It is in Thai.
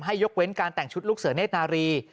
ยกเว้นการแต่งชุดลูกเสือเนธนารี